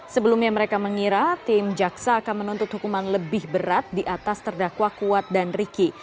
sebelumnya mereka mengira tim jaksa akan menuntut hukuman lebih berat di atas terdakwa kuat dan riki